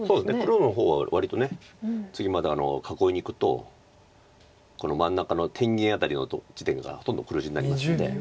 黒の方は割と次また囲いにいくと真ん中の天元辺りの地点がほとんど黒地になりますんで。